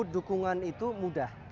dukungan itu mudah